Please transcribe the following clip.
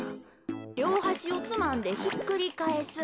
りょうはしをつまんでひっくりかえす。